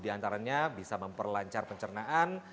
di antaranya bisa memperlancar pencernaan